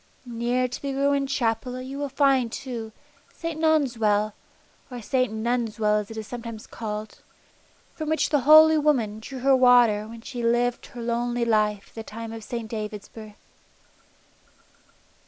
Near to the ruined Chapel you will find, too, St. Non's well, or St. Nunn's well as it is sometimes called, from which the holy woman drew her water when she lived her lonely life at the time of St. David's birth.